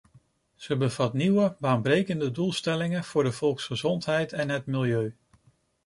Ze bevat nieuwe, baanbrekende doelstellingen voor de volksgezondheid en het milieu.